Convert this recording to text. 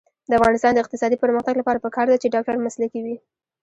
د افغانستان د اقتصادي پرمختګ لپاره پکار ده چې ډاکټر مسلکي وي.